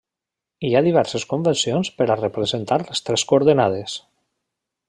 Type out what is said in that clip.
Hi ha diverses convencions per a representar les tres coordenades.